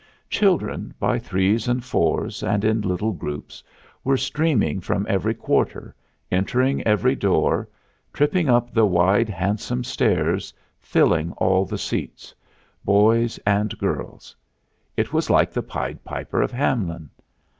Children by threes and fours, and in little groups, were streaming from every quarter, entering every door, tripping up the wide, handsome stairs, filling all the seats boys and girls; it was like the Pied Piper of Hamelin.